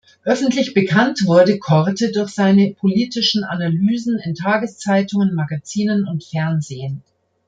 Öffentlich bekannt wurde Korte durch seine politischen Analysen in Tageszeitungen, Magazinen und Fernsehen.